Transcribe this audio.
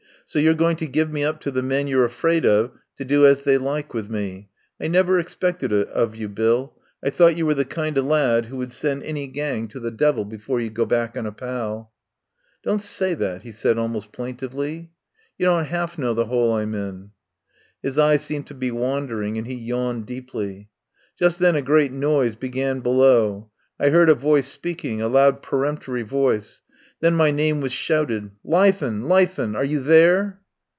"So you're going to give me up to the men you're afraid of to do as they like with me. I never ex 147 THE POWER HOUSE pected it of you, Bill. I thought you were the kind of lad who would send any gang to the devil before you'd go back on a pal." "Don't say that," he said almost plaintively. "You don't 'alf know the 'ole I'm in." His eye seemed to be wandering, and he yawned deeply. Just then a great noise began below. I heard a voice speaking, a loud peremptory voice. Then my name was shouted: "Leithen! Leithen! Are you there?"